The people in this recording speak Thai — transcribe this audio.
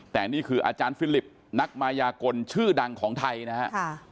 แต่นี่คืออาจารย์ฟิลิปนักมายากลชื่อดังของไทยนะฮะ